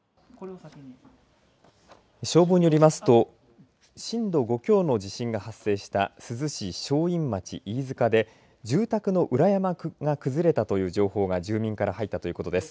消防によりますと震度５強の揺れが発生した珠洲市正院町飯塚で住宅の裏山が崩れたという情報が住民から入ったということです。